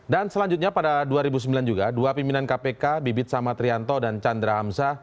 dan selanjutnya pada dua ribu sembilan juga dua pimpinan kpk bibit sama trianto dan chandra hamsa